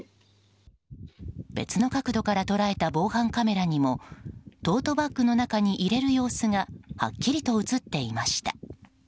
別の角度から捉えた防犯カメラにもトートバッグの中に入れる様子がはっきりと映っていました。